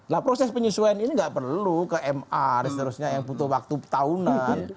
nah proses penyesuaian ini nggak perlu ke ma dan seterusnya yang butuh waktu tahunan